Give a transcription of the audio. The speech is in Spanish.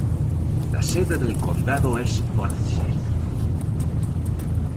La sede del condado es Forsyth.